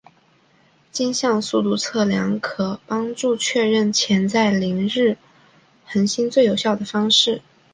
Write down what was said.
径向速度量测将可帮助确认潜在凌日恒星最有效的方式。